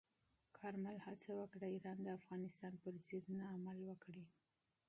کارمل هڅه وکړه، ایران د افغانستان پر ضد نه عمل وکړي.